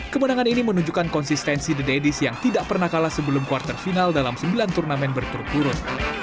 kemenangan ini menunjukkan konsistensi the daddies yang tidak pernah kalah sebelum quarter final dalam sembilan turnamen berturut turut